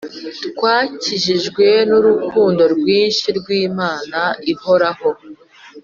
twakijijwe nu urukundo rwinshi rwi imana ihoraho